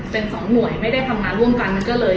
เป็นสองหน่วยไม่ได้ทำงานร่วมกัน